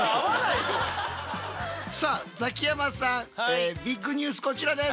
さあザキヤマさんビッグニュースこちらです。